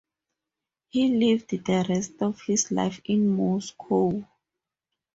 He lived the rest of his life in Moscow.